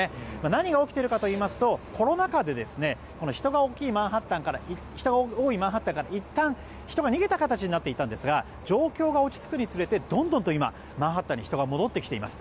何が起きているかといいますとコロナ禍で人が多いマンハッタンからいったん人が逃げた形になっていたんですが状況が落ち着くにつれてどんどんとマンハッタンに人が戻ってきています。